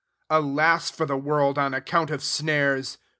7 " Alas for the world on ac count of snares!